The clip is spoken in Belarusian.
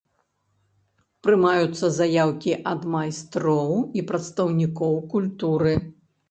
Прымаюцца заяўкі ад майстроў і прадстаўнікоў культуры.